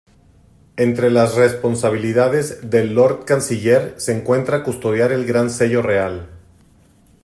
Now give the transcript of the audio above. Entre las responsabilidades del lord canciller se encuentra custodiar el Gran Sello Real.